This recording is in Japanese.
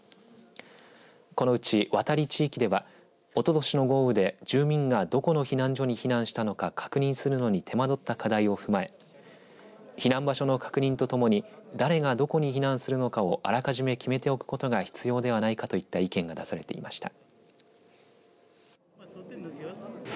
このうち渡地域ではおととしの豪雨で住民がどこの避難所に避難したのか確認するのに手間取った課題を踏まえ避難場所の確認とともに誰がどこに避難するのかをあらかじめ決めておくことが必要ではないかといった意見が出されていました。